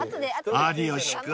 ［有吉君